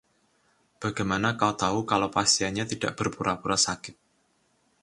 Bagaimana kau tahu kalau pasiennya tidak berpura-pura sakit?